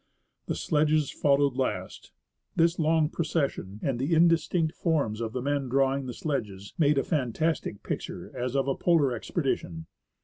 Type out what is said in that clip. The sledges followed last. This long procession, and the indistinct forms of the men drawing the sledges, made a fantastic picture as of a polar expedition.